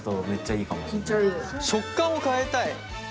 食感を変えたい。